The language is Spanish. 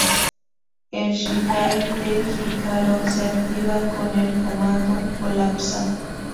El "shikai" de Hirako se activa con el comando Colapsa.